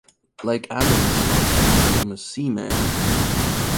Like Amundsen, he became a seaman.